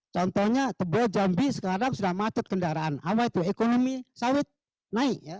contohnya tebal jambi sekarang sudah macet kendaraan apa itu ekonomi sawit naik ya